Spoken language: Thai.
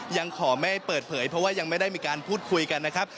ยังขอไม่เปิดเผยเพราะว่ายังไม่ได้มีการพูดคุยกันนะครับ